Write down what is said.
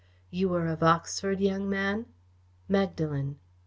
You were of Oxford, young man?" "Magdalen."